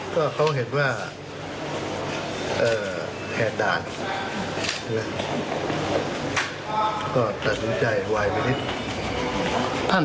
ทำระเบียบและกฎหมายในส่วนที่เกี่ยวข้อง